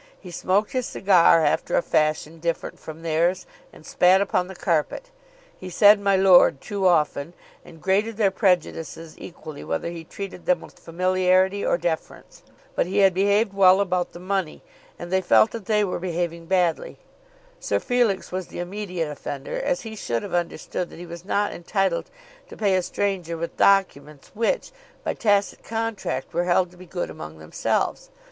He smoked his cigar after a fashion different from theirs, and spat upon the carpet. He said "my lord" too often, and grated their prejudices equally whether he treated them with familiarity or deference. But he had behaved well about the money, and they felt that they were behaving badly. Sir Felix was the immediate offender, as he should have understood that he was not entitled to pay a stranger with documents which, by tacit contract, were held to be good among themselves.